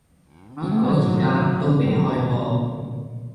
結果而家都未開波